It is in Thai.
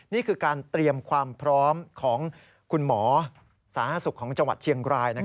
นี่คือการเตรียมความพร้อมของคุณหมอสาธารณสุขของจังหวัดเชียงราย